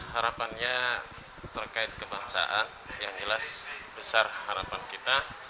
harapannya terkait kebangsaan yang jelas besar harapan kita